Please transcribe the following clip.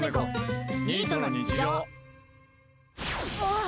あっ！